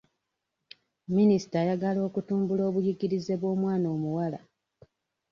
Minisita ayagala okutumbula obuyigirize bw'omwana omuwala.